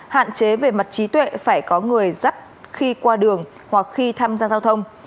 hạn chế về mặt trí tuệ phải có người dắt khi qua đường hoặc khi tham gia giao thông